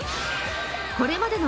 これまでの